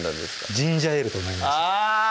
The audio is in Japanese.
ジンジャーエールと悩みましたあぁ！